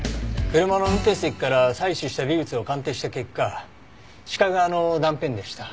車の運転席から採取した微物を鑑定した結果鹿革の断片でした。